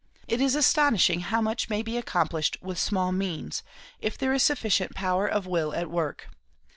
It is astonishing how much may be accomplished with small means, if there is sufficient power of will at work.